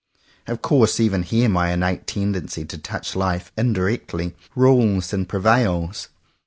Of course even here my innate tendency to touch life indirectly, rules and prevails.